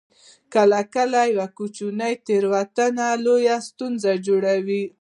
کله کله یوه کوچنۍ تیروتنه لویه ستونزه جوړوي